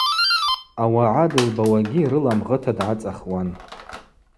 Ауагӏа дызбауагьи рыла мгъыта дгӏацӏахуан.